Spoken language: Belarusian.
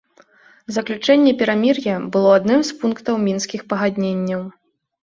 Заключэнне перамір'я было адным з пунктаў мінскіх пагадненняў.